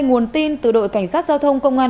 nguồn tin từ đội cảnh sát giao thông công an